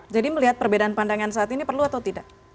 jadi melihat perbedaan pandangan saat ini perlu atau tidak